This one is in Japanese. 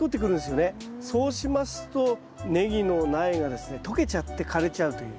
そうしますとネギの苗がですね溶けちゃって枯れちゃうという。